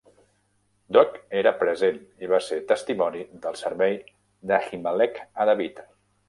Doeg era present i va ser testimoni del servei d'Ahimelech a David.